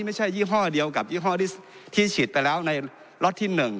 ก็ไม่ใช่ยี่ห้อเดียวกับยี่ห้อที่ที่ฉีดไปแล้วในล็อตที่หนึ่ง